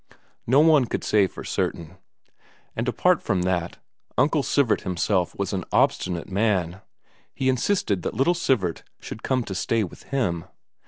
No one could say for certain. And apart from that, Uncle Sivert himself was an obstinate man; he insisted that little Sivert should come to stay with him.